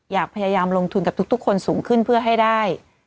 อยากพยายามลงทุนกับทุกคนสูงขึ้นเพื่อให้ได้